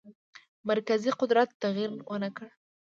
مرکزي قدرت تغییر ونه کړ.